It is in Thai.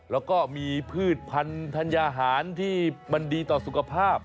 แล้วก็มีพืชพันธัญญาหารที่มันดีต่อสุขภาพ